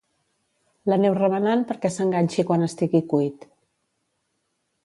L'aneu remenant perquè s'enganxi quan estigui cuit.